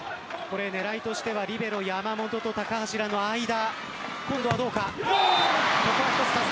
狙いとしてはリベロ山本と高橋藍の間。